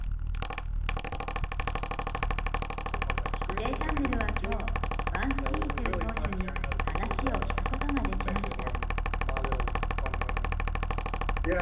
「Ｊチャンネル」は今日バンスティーンセル投手に話を聞くことができました。